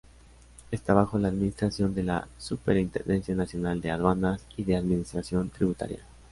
Está bajo la administración de la Superintendencia Nacional de Aduanas y de Administración Tributaria.